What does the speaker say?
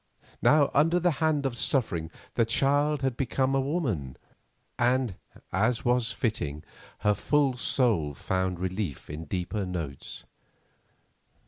Now under the hand of suffering the child had become a woman, and, as was fitting, her full soul found relief in deeper notes.